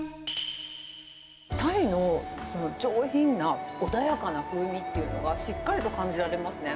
タイの上品な穏やかな風味っていうのが、しっかりと感じられますね。